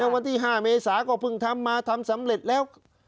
วันที่๕เมษาก็เพิ่งทำมาทำสำเร็จแล้ว